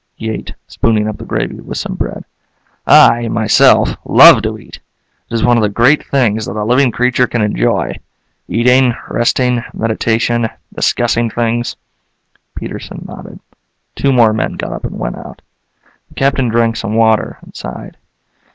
He ate, spooning up the gravy with some bread. "I, myself, love to eat. It is one of the greatest things that a living creature can enjoy. Eating, resting, meditation, discussing things." Peterson nodded. Two more men got up and went out. The Captain drank some water and sighed.